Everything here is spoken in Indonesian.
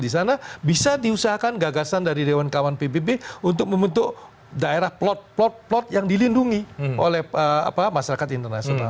di sana bisa diusahakan gagasan dari dewan kawan pbb untuk membentuk daerah plot plot plot yang dilindungi oleh masyarakat internasional